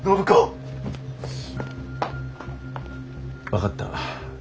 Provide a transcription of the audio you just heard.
分かった。